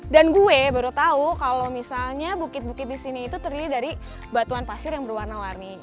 dan gue baru tau kalau misalnya bukit bukit di sini itu terdiri dari batuan pasir yang berwarna warni